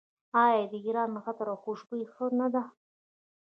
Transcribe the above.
آیا د ایران عطر او خوشبویي ښه نه ده؟